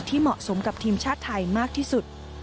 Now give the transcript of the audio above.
เหมาะสมกับทีมชาติไทยมากที่สุด